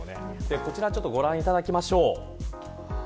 こちらご覧いただきましょう。